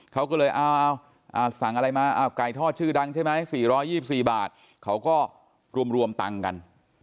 เขาก็เลยเอาสั่งอะไรมาไก่ทอดชื่อดังใช่ไหม๔๒๔บาทเขาก็รวมตังค์กัน